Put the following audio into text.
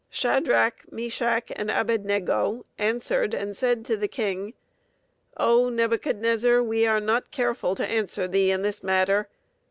Shadrach, Meshach, and Abed nego, answered and said to the king, O, Nebuchadnezzar, we are not careful to answer thee in this matter.